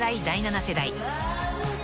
第７世代］